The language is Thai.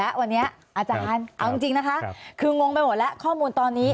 และวันนี้อาจารย์เอาจริงนะคะคืองงไปหมดแล้วข้อมูลตอนนี้